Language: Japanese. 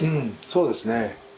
そうですね。